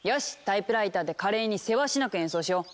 タイプライターで華麗にせわしなく演奏しよう！